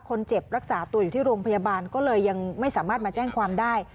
เจ็บรักษาตัวอยู่ที่โรงพยาบาลก็เลยยังไม่สามารถมาแจ้งความได้